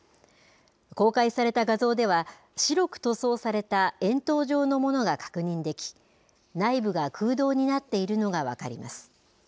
公開された画像では、白く塗装された円筒状のものが確認でき、内部が空洞になっているのが分かります。